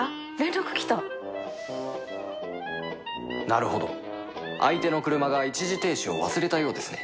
なるほど相手の車が一時停止を忘れたようですね